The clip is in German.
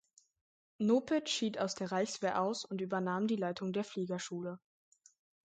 Nopitsch schied aus der Reichswehr aus und übernahm die Leitung der Fliegerschule.